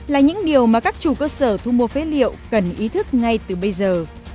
là những điều mà các chủ cơ sở thu mua phế liệu cần ý thức ngay từ bây giờ